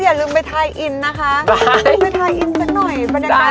บายก็จะไปไทอินสักหน่อย